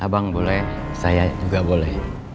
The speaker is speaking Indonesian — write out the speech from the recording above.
abang boleh saya juga boleh